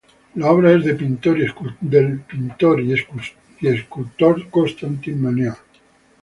La obra es del pintor y escultor, Constantin Meunier.